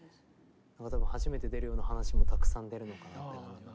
たぶん初めて出るような話もたくさん出るのかなって感じが。